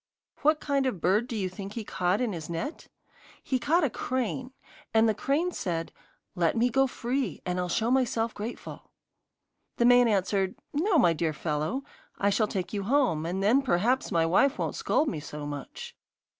What kind of bird do you think he caught in his net? He caught a crane, and the crane said, 'Let me go free, and I'll show myself grateful.' The man answered, 'No, my dear fellow. I shall take you home, and then perhaps my wife won't scold me so much.